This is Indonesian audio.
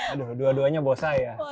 aduh dua duanya bosan ya